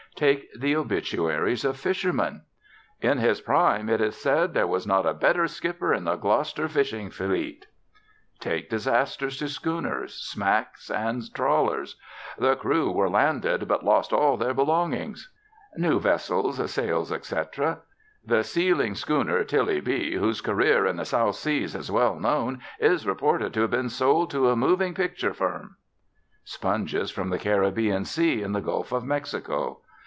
Take the obituaries of fishermen. "In his prime, it is said, there was not a better skipper in the Gloucester fishing fleet." Take disasters to schooners, smacks, and trawlers. "The crew were landed, but lost all their belongings." New vessels, sales, etc. "The sealing schooner Tillie B., whose career in the South Seas is well known, is reported to have been sold to a moving picture firm." Sponges from the Caribbean Sea and the Gulf of Mexico.